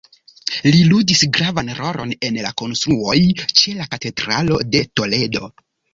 Li ludis gravan rolon en konstruoj ĉe la Katedralo de Toledo.